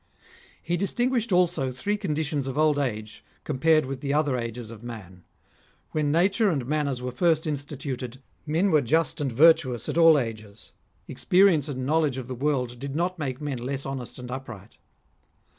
He distinguished also three conditions of old age, com pared with the other ages of man. When nature and manners were first instituted, men were just and virtuous at ^^11 ages. Experience and knowledge of the world did not make men less honest and upright.